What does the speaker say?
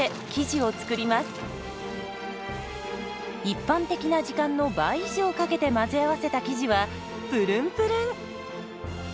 一般的な時間の倍以上かけて混ぜ合わせた生地はプルンプルン。